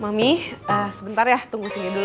mami sebentar ya tunggu saja dulu